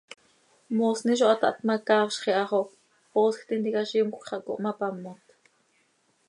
Moosni zo hataht ma, caafzx iha xo poosj tintica zimjöc xah cohmapamot.